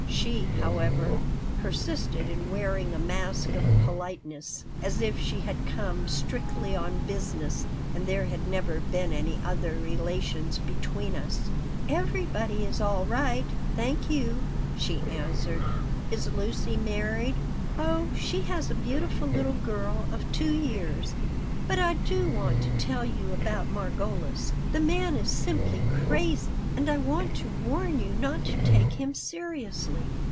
She, however, persisted in wearing a mask of politeness, as if she had come strictly on business and there had never been any other relations between us "Everybody is all right, thank you," she answered "Is Lucy married?" "Oh, she has a beautiful little girl of two years. But I do want to tell you about Margolis. The man is simply crazy, and I want to warn you not to take him seriously.